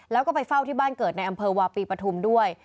แล้วก็ไปเฝ้าที่บ้านเกิดในอำเภอวาปีปฐุมด้วย